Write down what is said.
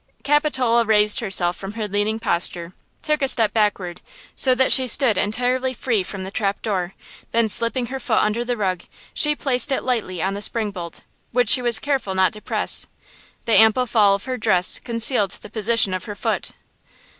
Capitola raised herself from her leaning posture, took a step backward, so that she stood entirely free from the trapdoor, then slipping her foot under the rug, she placed it lightly on the spring bolt, which she was careful not to press; the ample fall of her dress concealed the position of her foot.